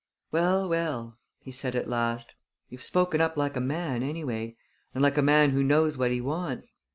"Well, well!" he said at last. "You've spoken up like a man, anyway and like a man who knows what he wants.